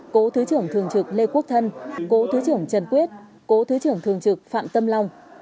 cố thứ trưởng thường trực lê quốc thân cố thứ trưởng trần quyết cố thứ trưởng thường trực phạm tâm long